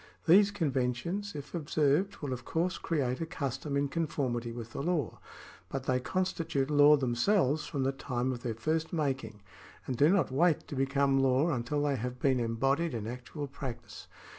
These conventions, if observed, will of course create a custom in conformity with the law ; but they constitute law themselves from the time of their first making, and do not wait to become law until they have been embodied in actual practice.